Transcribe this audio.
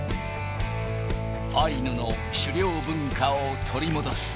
アイヌの狩猟文化を取り戻す。